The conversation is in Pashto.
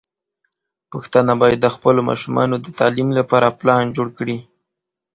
پښتانه بايد د خپلو ماشومانو د تعليم لپاره پلان جوړ کړي.